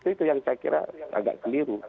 itu yang saya kira agak keliru